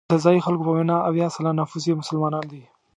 د ځایي خلکو په وینا اویا سلنه نفوس یې مسلمانان دي.